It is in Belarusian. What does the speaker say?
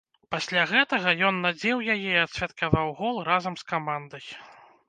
Пасля гэтага ён надзеў яе і адсвяткаваў гол разам з камандай.